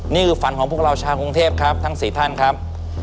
นี่คือฝันของพวกเราชาวกรุงเทพครับทั้ง๔ท่านครับ